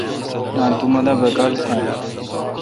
نال تو مہ دا باکال کھو۔